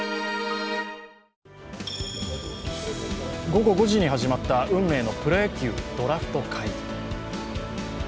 午後５時に始まった運命のプロ野球ドラフト会議。